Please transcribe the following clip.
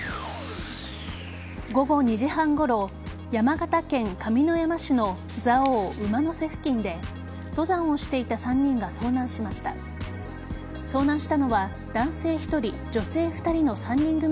午後２時半ごろ山形県上山市の蔵王・馬の背付近で登山をしていた３人が遭難しました。